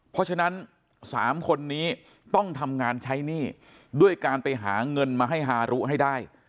เพราะฉะนั้น๓คนนี้ต้องทำงานใช้หนี้ด้วยการไปหาเงินมาให้ฮารุให้ได้